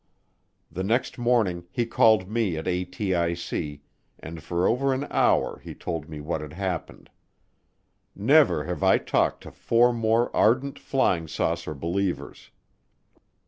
The next morning he called me at ATIC and for over an hour he told me what had happened. Never have I talked to four more ardent flying saucer believers.